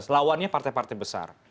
lawannya partai partai besar